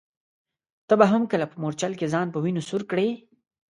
ته به هم کله په مورچل کي ځان په وینو سور کړې ؟